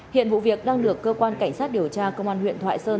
hiện vụ việc đang được cơ quan cảnh sát điều tra công an huyện thoại sơn